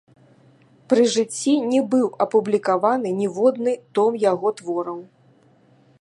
Пры жыцці не быў апублікаваны ніводны том яго твораў.